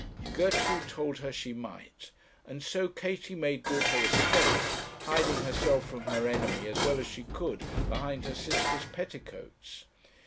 Gertrude told her she might, and so Katie made good her escape, hiding herself from her enemy as well as she could behind her sister's petticoats.